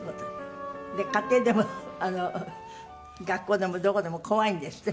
家庭でも学校でもどこでも怖いんですって？